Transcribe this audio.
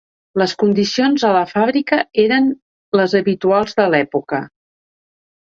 Les condicions a la fàbrica eren les habituals de l'època.